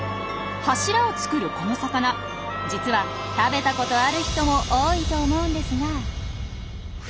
柱を作るこの魚実は食べたことある人も多いと思うんですが。